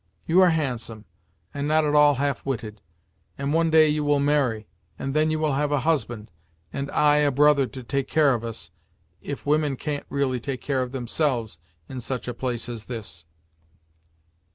You are handsome, and not at all half witted, and one day you will marry, and then you will have a husband, and I a brother to take care of us, if women can't really take care of themselves in such a place as this."